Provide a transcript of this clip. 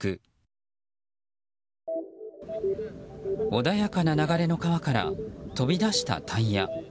穏やかな流れの川から飛び出したタイヤ。